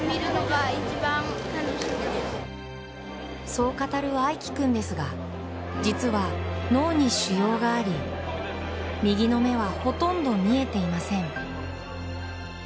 そう語る愛季君ですが、実は脳に腫瘍があり、右の目はほとんど見えていません。